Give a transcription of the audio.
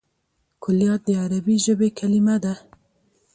کلیات د عربي ژبي کليمه ده.